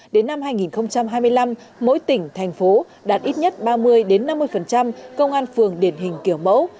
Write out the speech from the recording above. đến năm hai nghìn hai mươi năm mỗi tỉnh thành phố đạt ít nhất ba mươi năm mươi công an phường điển hình kiểu mẫu